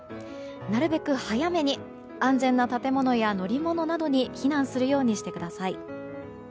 なるべく早めに安全な建物や乗り物などに避難するようにしてください。